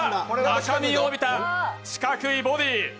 赤みを帯びた四角いボディー。